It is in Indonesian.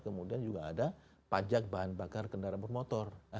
kemudian juga ada pajak bahan bakar kendaraan per motor